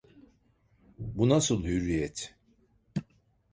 Bu nasıl hürriyet!